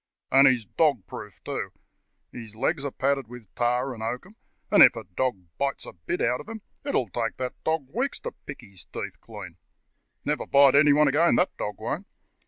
"And he's dog proof, too. His legs are padded. with tar and oakum, and if a dog bites a bit out of him, it will take that dog weeks to pick his teeth clean. Never bite anybody again, that dog won't.